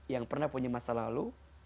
yang pernah punya masa lalu